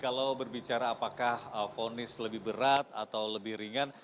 kalau berbicara apakah vonis lebih berat atau lebih ringan